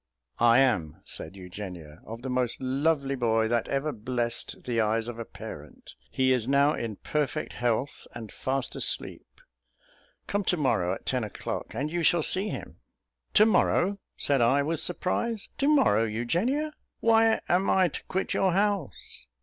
"I am," said Eugenia, "of the most lovely boy that ever blessed the eyes of a parent; he is now in perfect health and fast asleep come to morrow, at ten o'clock, and you shall see him." "To morrow," said I, with surprise, "to morrow, Eugenia? why am I to quit your house?"